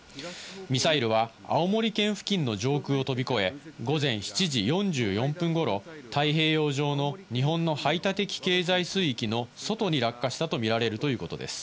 ミサイルは青森県付近の上空を飛び越え、午前７時４４分頃、太平洋上の日本の排他的経済水域の外に落下したとみられるということです。